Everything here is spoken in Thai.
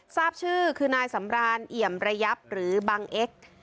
ทราบชื่อคือนายสำรานเอี่ยมระยับหรือบังเอ็กซ์